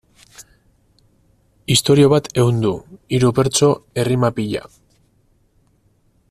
Istorio bat ehundu, hiru bertso, errima pila...